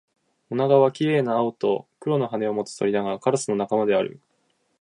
オナガは綺麗な青と黒の羽を持つ鳥だが、カラスの仲間である